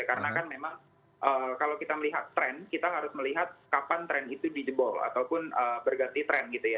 karena kan memang kalau kita melihat trend kita harus melihat kapan trend itu di jebol ataupun berganti trend gitu ya